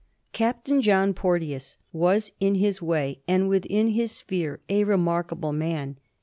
Captain John Porteous was in his way and within his sphere a remarkable man.